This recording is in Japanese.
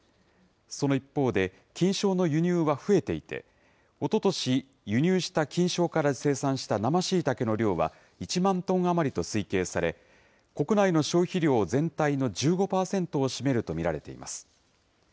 その一方で、菌床の輸入は増えていて、おととし、輸入した菌床から生産した生しいたけの量は、１万トン余りと推計され、国内の消費量全体の１５％を占めると見られています。